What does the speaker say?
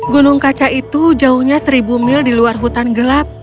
gunung kaca itu jauhnya seribu mil di luar hutan gelap